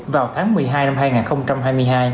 vào tháng một mươi hai năm hai nghìn hai mươi hai